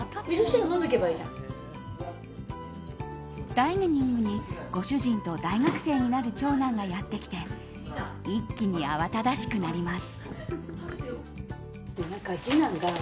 ダイニングにご主人と大学生になる長男がやってきて一気に慌ただしくなります。